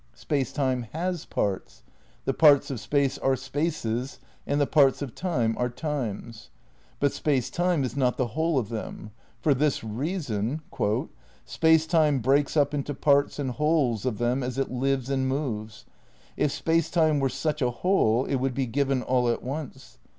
Space Time has parts. The parts of Space are spaces and the parts of Time are times ; but Space Time is not the whole of them. For this reason: "Space Time breaks up into parts and wholes of them as it lives and moves. ... If Space Time were such a whole it would be given all at once.